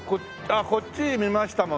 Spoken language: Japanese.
あっこっち見ましたもんね。